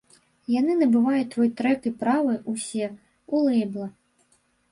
Яны набываюць твой трэк і правы ўсе ў лэйбла.